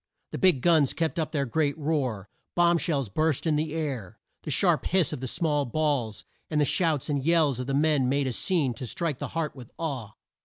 The big guns kept up their great roar. Bomb shells burst in the air. The sharp hiss of the small balls, and the shouts and yells of the men made a scene to strike the heart with awe.